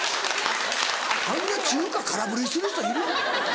あんな中華空振りする人いる？